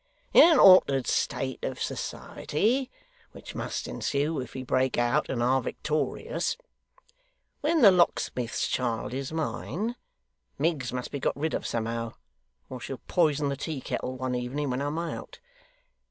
In an altered state of society which must ensue if we break out and are victorious when the locksmith's child is mine, Miggs must be got rid of somehow, or she'll poison the tea kettle one evening when I'm out.